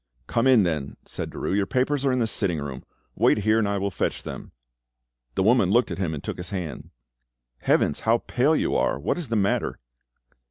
"Come in, then," said Derues; "your papers are in the sitting room. Wait here, and I will fetch them." The woman looked at him and took his hand. "Heavens! how pale you are! What is the matter?"